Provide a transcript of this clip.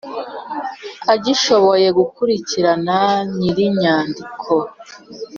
agishoboye gukurikirana nyir inyandiko